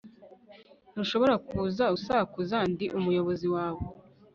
ntushobora kuza usakuza, 'ndi umuyobozi wawe